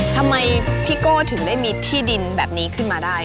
ทำไมพี่โก้ถึงได้มีที่ดินแบบนี้ขึ้นมาได้